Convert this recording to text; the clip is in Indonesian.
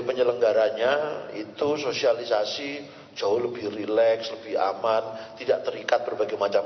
penyelenggaranya itu sosialisasi jauh lebih rileks lebih aman tidak terikat berbagai macam